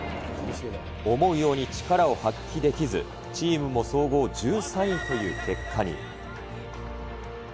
思うように力を発揮できず、チームも総合１３位という結果に。